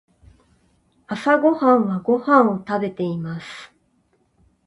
朝ごはんはご飯を食べています。